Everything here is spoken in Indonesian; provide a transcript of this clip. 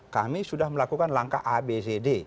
kami sudah melakukan langkah abcd